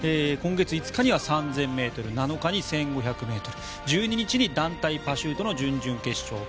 今月５日には３０００ｍ７日に１５００ｍ１２日に団体パシュートの準々決勝